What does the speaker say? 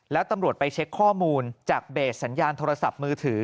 แล้วตำรวจไปเช็คข้อมูลจากเบสสัญญาณโทรศัพท์มือถือ